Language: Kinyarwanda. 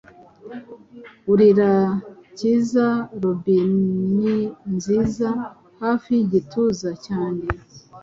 urira, Cyiza, robini nziza, Hafi yigituza cyanjye.